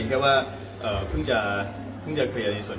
แล้วรู้จักคุณบอยอยู่ไหน